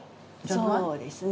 そうですね。